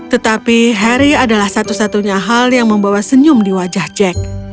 tetapi harry adalah satu satunya hal yang membawa senyum di wajah jack